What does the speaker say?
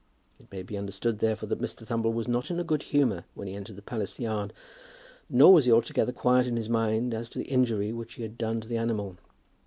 It may be understood, therefore, that Mr. Thumble was not in a good humour when he entered the palace yard. Nor was he altogether quiet in his mind as to the injury which he had done to the animal.